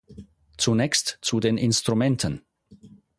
Zunächst zu den Instrumenten.